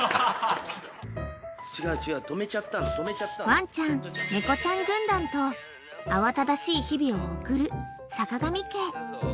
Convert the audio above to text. ［ワンちゃん猫ちゃん軍団と慌ただしい日々を送る坂上家］